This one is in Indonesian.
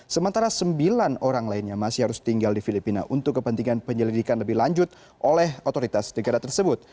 sementara sembilan orang lainnya masih harus tinggal di filipina untuk kepentingan penyelidikan lebih lanjut oleh otoritas negara tersebut